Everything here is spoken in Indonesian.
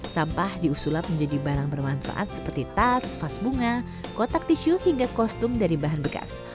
sampah diusulap menjadi barang bermanfaat seperti tas vas bunga kotak tisu hingga kostum dari bahan bekas